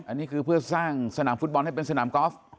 อันนี้คือเพื่อสร้างสนามฟุตบอลให้เป็นสนามกอล์ฟ